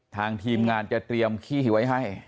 ทางทีมงานจะเตรียมขี้ไว้ให้